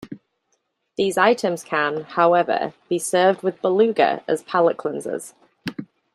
These items can, however, be served with Beluga as palate cleansers.